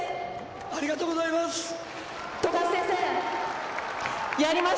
ありがとうございます。